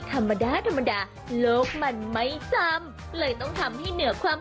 กระดูกเรามันแข็งแรงขึ้น